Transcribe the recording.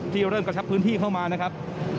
ที่เริ่มกระชับพื้นที่เข้ามานะครับ